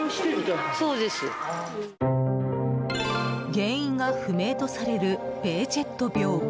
原因が不明とされるベーチェット病。